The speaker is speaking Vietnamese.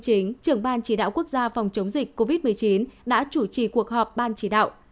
chính trưởng ban chỉ đạo quốc gia phòng chống dịch covid một mươi chín đã chủ trì cuộc họp ban chỉ đạo